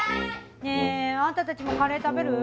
ねえあんたたちもカレー食べる？